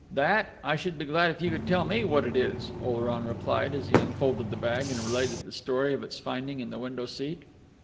"That? I should be glad if you could tell me what it is," Oleron replied as he unfolded the bag and related the story of its finding in the window seat.